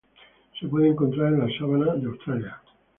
Se puede encontrar en la sabana de Australia.